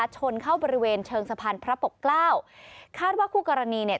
ชนเข้าบริเวณเชิงสะพานพระปกเกล้าคาดว่าคู่กรณีเนี่ย